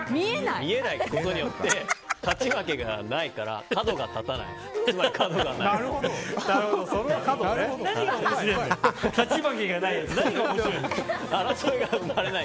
見えないことによって勝ち負けがないから勝ち負けがない。